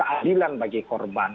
adilan bagi korban